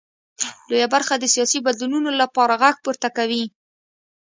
لویه برخه د سیاسي بدلونونو لپاره غږ پورته کوي.